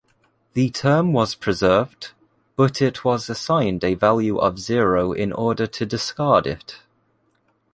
The term was preserved, but it was assigned a value of zero in order to discard it.